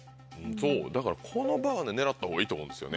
だからこの場は狙ったほうがいいと思うんですよね。